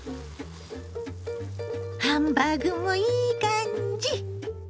ハンバーグもいい感じ！